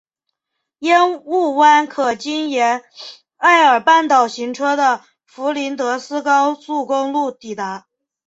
烟雾湾可经沿艾尔半岛行车的弗林德斯高速公路抵达。